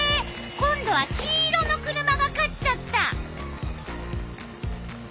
今度は黄色の車が勝っちゃった。